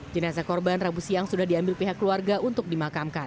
jenazah korban rabu siang sudah diambil pihak keluarga untuk dimakamkan